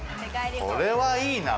これはいいな！